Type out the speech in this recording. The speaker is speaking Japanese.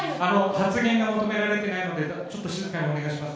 発言が認められてないので、ちょっと静かにお願いします。